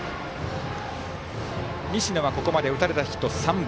西野はここまで打たれたヒット３本。